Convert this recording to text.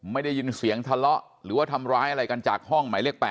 ไม่ได้ยินเสียงทะเลาะหรือว่าทำร้ายอะไรกันจากห้องหมายเลข๘